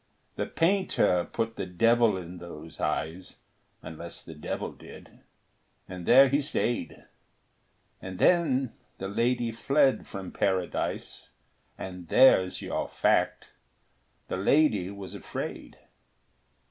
The painter put the devil in those eyes, Unless the devil did, and there he stayed; And then the lady fled from paradise, And there's your fact. The lady was afraid.